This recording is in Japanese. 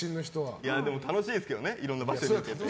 楽しいですけどねいろんな場所に行けるの。